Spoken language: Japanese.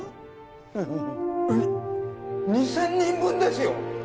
フフフッ２０００人分ですよ！？